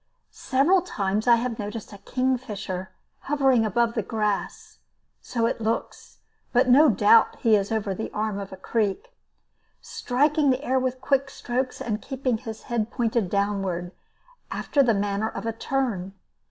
Several times I have noticed a kingfisher hovering above the grass (so it looks, but no doubt he is over an arm of the creek), striking the air with quick strokes, and keeping his head pointed downward, after the manner of a tern.